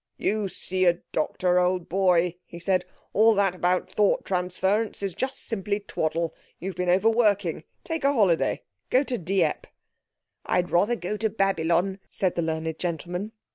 "You see a doctor, old boy," he said; "all that about thought transference is just simply twaddle. You've been over working. Take a holiday. Go to Dieppe." "I'd rather go to Babylon," said the learned gentleman.